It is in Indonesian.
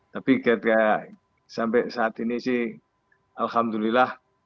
tapi sampai saat ini sih alhamdulillah